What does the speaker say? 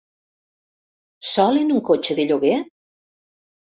Sol en un cotxe de lloguer?